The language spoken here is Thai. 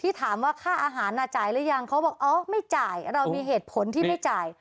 ถามว่าค่าอาหารจ่ายหรือยังเขาบอกอ๋อไม่จ่ายเรามีเหตุผลที่ไม่จ่าย